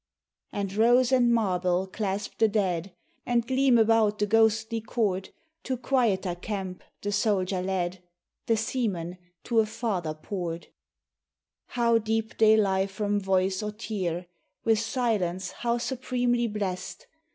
And rose and marble clasp the dead, And gleam about the ghostly court, To quieter camp the soldier led, The seaman to a farther port. How deep they lie from voice or tear! With silence how supremely blest!